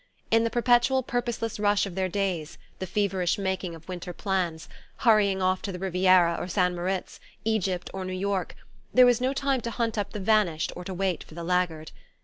In the perpetual purposeless rush of their days, the feverish making of winter plans, hurrying off to the Riviera or St. Moritz, Egypt or New York, there was no time to hunt up the vanished or to wait for the laggard.